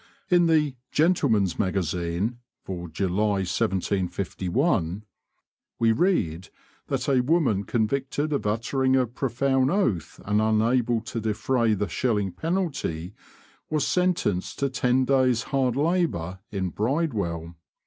In the 'Gentleman's Magazine' for July 1751 we read that a woman convicted of uttering a profane oath and unable to defray the shilling penalty, was sentenced to ten days' hard labour in Bridewell.